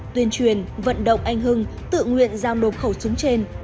tuyên truyền vận động anh hưng tự nguyện giao đột khẩu súng